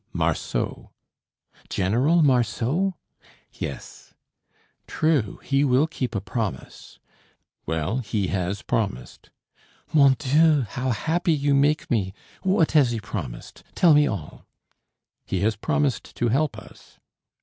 "Marceau." "General Marceau?" "Yes." "True, he will keep a promise." "Well, he has promised." "Mon Dieu! How happy you make me! What has he promised? Tell me all." "He has promised to help us."